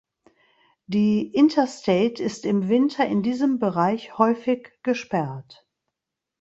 Die Interstate ist im Winter in diesem Bereich häufig gesperrt.